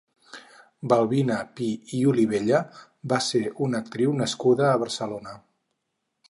Balbina Pi i Olivella va ser una actriu nascuda a Barcelona.